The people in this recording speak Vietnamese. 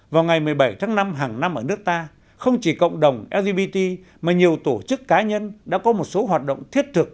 vào ngày một mươi bảy tháng năm hàng năm ở nước ta không chỉ cộng đồng lgbt mà nhiều tổ chức cá nhân đã có một số hoạt động thiết thực